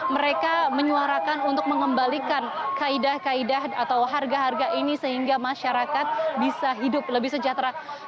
mereka menyuarakan untuk mengembalikan kaedah kaedah atau harga harga ini sehingga masyarakat bisa hidup lebih sejahtera